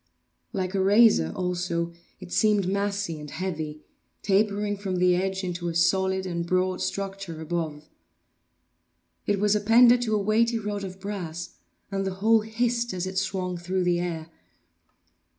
Like a razor also, it seemed massy and heavy, tapering from the edge into a solid and broad structure above. It was appended to a weighty rod of brass, and the whole hissed as it swung through the air.